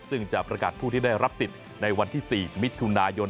ซึ่งจะประกาศผู้ที่ได้รับสิทธิ์ในวันที่๔มิถุนายน